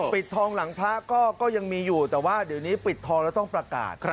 ปิดทองหลังพระก็ยังมีอยู่แต่ว่าเดี๋ยวนี้ปิดทองแล้วต้องประกาศ